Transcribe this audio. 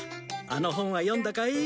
あの本は読んだかい？